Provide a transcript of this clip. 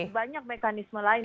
kan banyak mekanisme lain